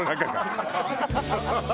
ハハハハ！